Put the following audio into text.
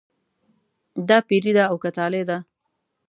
دا پیري ده او که طالع ده.